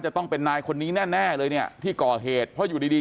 จะต้องเป็นนายคนนี้แน่แน่เลยเนี่ยที่ก่อเหตุเพราะอยู่ดีดี